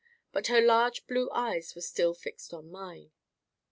But her large blue eyes were still fixed on mine.